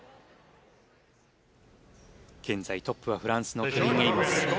現在トップはフランスのケビン・エイモズ。